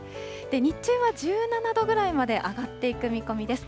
日中は１７度ぐらいまで上がっていく見込みです。